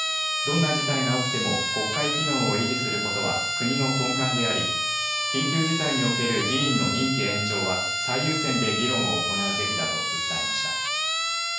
どんな事態が起きても国会機能を維持することは国の根幹であり緊急事態における議員の任期延長は最優先で議論を行うべきだと訴えました。